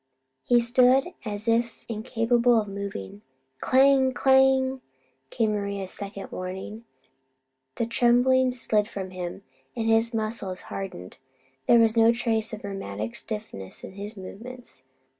He stood as if incapable of moving. "Clang! Clang!" came Maria's second warning. The trembling slid from him, and his muscles hardened. There was no trace of rheumatic stiffness in his movements.